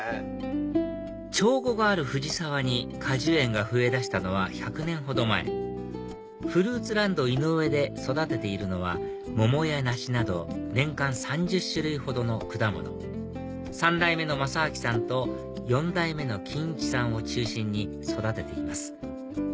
長後がある藤沢に果樹園が増えだしたのは１００年ほど前ふるうつらんど井上で育てているのは桃や梨など年間３０種類ほどの果物３代目の雅昭さんと４代目の欣一さんを中心に育てています